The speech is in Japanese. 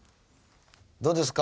どうですか？